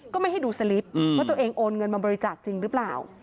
ก็ไม่ให้ดูสลิปว่าตัวเองโอนเงินมาบริจาคจริงหรือเปล่า